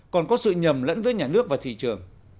còn có sự nhầm lẫn giữa nhà nước và thị trường